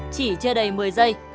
chỉ chơi đầy một mươi giây